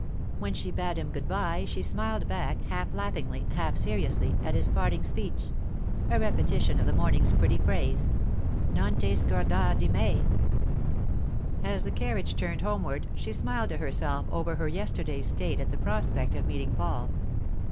When she bade him good bye she smiled back, half laughingly, half seriously, at his parting speech—a repetition of the morning's pretty phrase—'non te scordar di me!' As the carriage turned homeward she smiled to herself over her yesterday's state at the prospect of meeting Paul.